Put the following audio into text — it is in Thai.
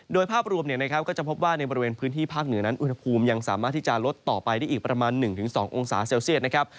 โดยภาพรวมก็จะพบว่าในบริเวณพื้นที่ภาคเหนือนั้นอุณหภูมิยังสามารถที่จะลดต่อไปได้อีกประมาณ๑๒องศาเซลเซียตนะครับ